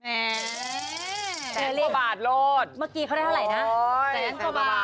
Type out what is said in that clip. แสนกว่าบาท